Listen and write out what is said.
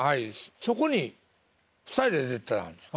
そこに２人で出てたんですか？